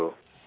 ya bang arief